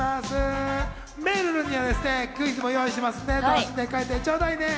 めるるにはクイズも用意していますので、楽しんで帰ってちょうだいね。